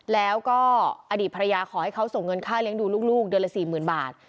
แล้วก็อดีตภรรยาขอให้เขาส่งเงินค่าเลี้ยงดูลูกเดือนละ๔๐๐๐บาท